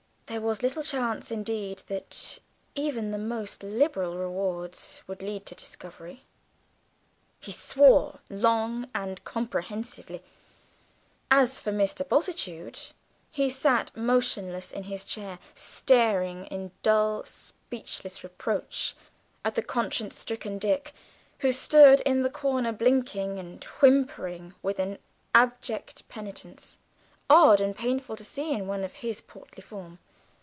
There was little chance, indeed, that even the most liberal rewards would lead to discovery. He swore long and comprehensively. As for Mr. Bultitude, he sat motionless in his chair, staring in dull, speechless reproach at the conscience stricken Dick, who stood in the corner blinking and whimpering with an abject penitence, odd and painful to see in one of his portly form.